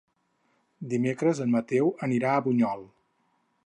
Dimecres en Mateu anirà a Bunyol.